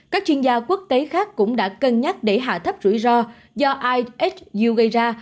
các chuyên gia quốc tế khác cũng đã cân nhắc để hạ thấp rủi ro do ihu gây ra